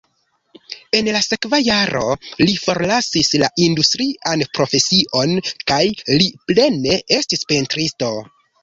En la sekva jaro li forlasis la industrian profesion kaj li plene estis pentristo.